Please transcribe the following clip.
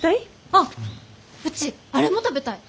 あっうちあれも食べたい。